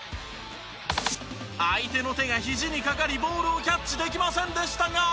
相手の手がひじにかかりボールをキャッチできませんでしたが。